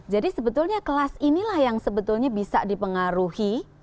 jadi sebetulnya kelas inilah yang sebetulnya bisa dipengaruhi